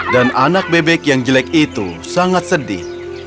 dan anak bebek yang jelek itu sangat sedih